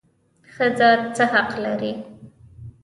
ښځه څه حق لري؟